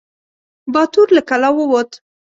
باتور له کلا ووت.